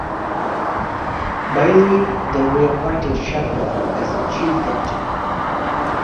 Bailey then reappointed Chapman as chief deputy.